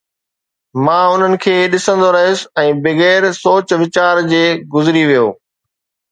مان انهن کي ڏسندو رهيس ۽ بغير سوچ ويچار جي گذري ويو